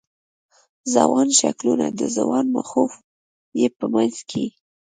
ځوان شکلونه، ځوان مخونه یې په منځ کې